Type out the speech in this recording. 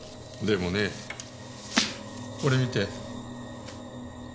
でもねこれ見て。